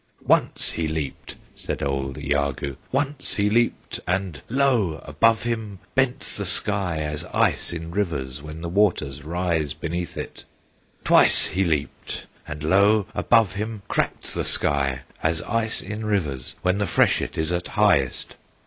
"Once he leaped," said old Iagoo, "Once he leaped, and lo! above him Bent the sky, as ice in rivers When the waters rise beneath it; Twice he leaped, and lo! above him Cracked the sky, as ice in rivers When the freshet is at highest!